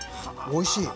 おいしい。